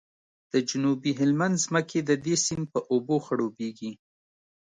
د جنوبي هلمند ځمکې د دې سیند په اوبو خړوبیږي